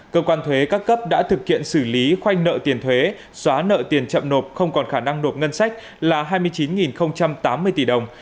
cơ quan thuế các cấp đã thực hiện xử lý khoanh nợ tiền thuế xóa nợ tiền chậm nộp không còn khả năng nộp ngân sách là hai mươi chín tám mươi tỷ đồng